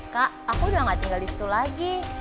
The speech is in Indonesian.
kak aku udah gak tinggal disitu lagi